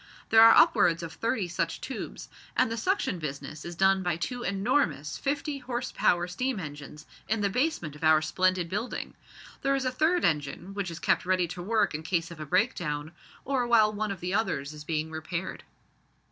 There are upwards of thirty such tubes, and the suction business is done by two enormous fifty horse power steam engines in the basement of our splendid building. There is a third engine, which is kept ready to work in case of a break down, or while one of the others is being repaired."